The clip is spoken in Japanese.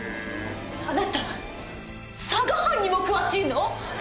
あなた佐賀藩にも詳しいの？